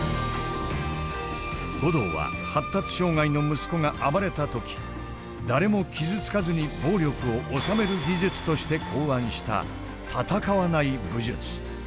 護道は発達障害の息子が暴れた時誰も傷つかずに暴力を収める技術として考案した「戦わない武術」。